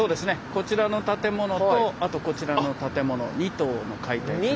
こちらの建物とあとこちらの建物２棟の解体になります。